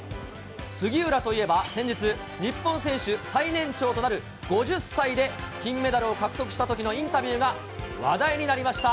杉浦といえば、先日、日本選手最年長となる５０歳で金メダルを獲得したときのインタビューが話題になりました。